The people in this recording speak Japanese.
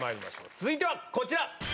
続いてはこちら。